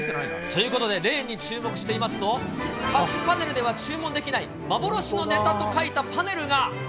ということで、レーンに注目していますと、タッチパネルでは注文できない幻のネタと書いたパネルが。